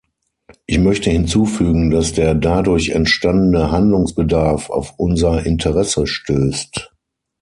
Ich möchte hinzufügen, dass der dadurch entstandene Handlungsbedarf auf unser Interesse stößt.